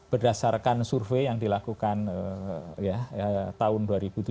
berdasarkan survei yang dilakukan tahun dua ribu tujuh belas